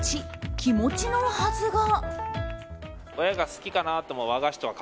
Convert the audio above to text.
気持ちのはずが。